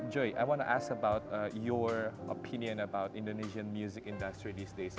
joy saya ingin bertanya tentang pendapat anda tentang industri musik indonesia di saat ini